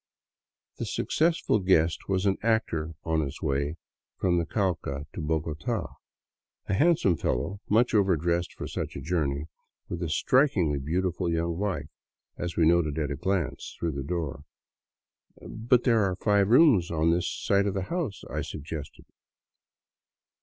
The successful guest was an actor on his way from the Cauca to Bogota, a handsome fellow much over dressed for such a journey, with a strikingly beautiful young wife, as we noted at a glance through the door. " But there are five rooms on this side of the house," I suggested.